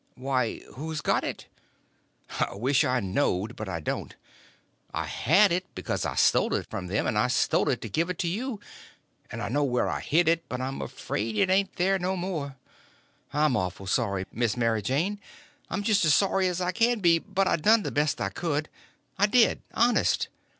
"Why, who's got it?" "I wish I knowed, but I don't. I had it, because I stole it from them; and I stole it to give to you; and I know where I hid it, but I'm afraid it ain't there no more. I'm awful sorry, Miss Mary Jane, I'm just as sorry as I can be; but I done the best I could; I did honest.